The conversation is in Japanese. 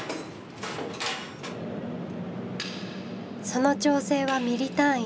その調整はミリ単位。